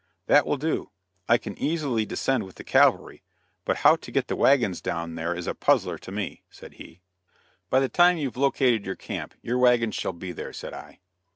"That will do. I can easily descend with the cavalry, but how to get the wagons down there is a puzzler to me," said he. "By the time you've located your camp, your wagons shall be there," said I.